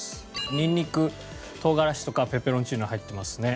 にんにく唐辛子とかペペロンチーノに入ってますね。